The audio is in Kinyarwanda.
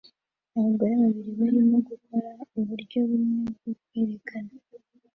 Abagore babiri barimo gukora uburyo bumwe bwo kwerekana